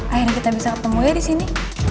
akhirnya kita bisa ketemu ya disini